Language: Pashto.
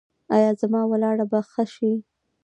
ایا زما ولاړه به ښه شي؟